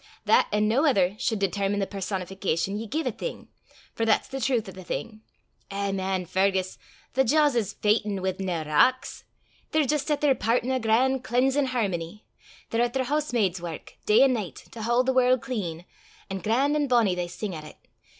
That an' no ither sud determine the personification ye gie a thing for that's the trowth o' the thing. Eh, man, Fergus! the jaws is fechtin' wi' nae rocks. They're jist at their pairt in a gran' cleansin' hermony. They're at their hoosemaid's wark, day an' nicht, to haud the warl' clean, an' gran'; an' bonnie they sing at it.